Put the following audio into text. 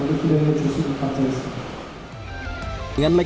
dan juga di liga satu sering menang